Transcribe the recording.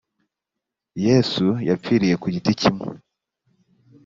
yesu yapfiriye ku giti kimwe